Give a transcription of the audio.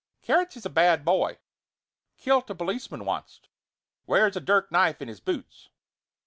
"Carrots is a bad boy. Killed a policeman onct. Wears a dirk knife in his boots.